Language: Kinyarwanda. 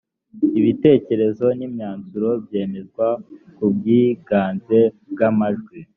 ibitekerezo n’imyanzuro byemezwa ku bw’iganze bw’amajwi